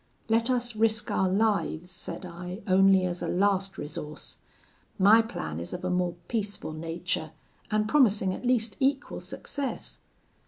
'Let us risk our lives,' said I, 'only as a last resource. My plan is of a more peaceful nature, and promising at least equal success.'